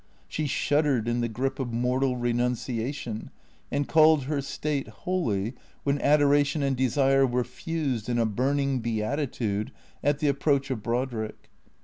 She shud dered in the grip of mortal renunciation, and called her state holy, when adoration and desire were fused in a burning beati tude at the approach of Brodrick.